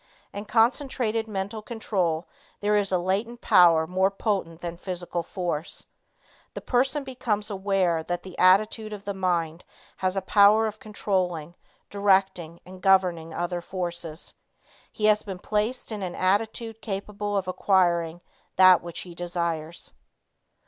In concentrated mental control, there is a latent power more potent than physical force. The person becomes aware that the attitude of the mind has a power of controlling, directing and governing other forces. He has been placed in an attitude capable of acquiring that which he desires.